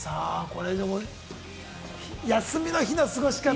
休みの日の過ごし方。